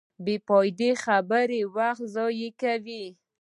بېفائدې خبرې وخت ضایع کوي.